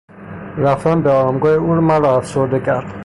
رفتن به آرامگاه او مرا افسرده کرد.